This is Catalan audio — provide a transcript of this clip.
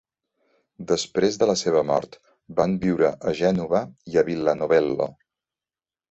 Després de la seva mort, van viure a Gènova, a la Vila Novello.